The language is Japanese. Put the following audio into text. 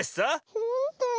ほんとに？